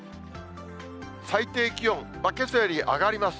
最低気温、けさより上がります。